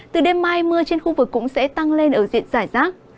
từ đêm mai mưa trên khu vực cũng sẽ tăng lên ở diện giải rác